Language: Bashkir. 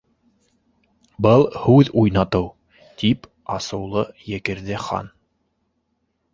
—Был һүҙ уйнатыу! —тип асыулы екерҙе Хан.